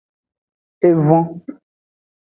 Evon.